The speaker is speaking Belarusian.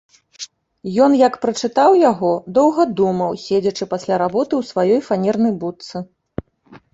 Ён, як прачытаў яго, доўга думаў, седзячы пасля работы ў сваёй фанернай будцы.